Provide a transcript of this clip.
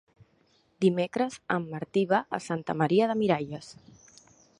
Dimecres en Martí va a Santa Maria de Miralles.